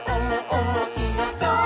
おもしろそう！」